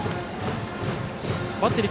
バッテリー